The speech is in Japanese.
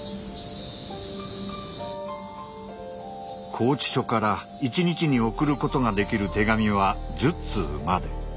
拘置所から一日に送ることができる手紙は１０通まで。